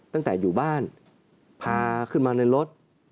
ตั้งแต่อยู่บ้านพาขึ้นมาในรถ